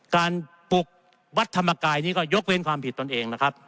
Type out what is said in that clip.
การปลุกวัดธรรมกายนี่ก็ยกเว้นความผิดตนเองนะครับ